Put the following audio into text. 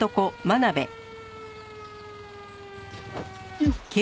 よっ！